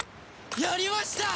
やりました！